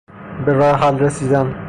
به راه حل رسیدن